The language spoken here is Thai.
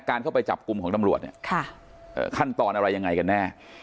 การเข้าไปจับกลุ่มของตำรวจเนี่ยขั้นตอนอะไรยังไงกันแน่